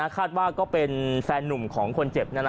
คาดว่าก็เป็นแฟนนุ่มของคนเจ็บ